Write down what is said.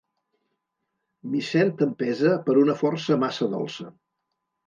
M'hi sent empesa per una força massa dolça.